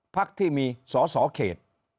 พักที่มีสอสอเขต